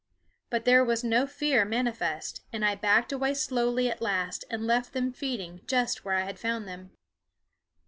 But there was no fear manifest, and I backed away slowly at last and left them feeding just where I had found them.